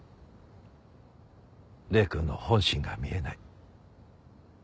礼くんの本心が見えない。